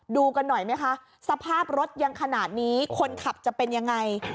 ดูกันหน่อยไหมคะสภาพรถยังขนาดนี้คนขับจะเป็นยังไง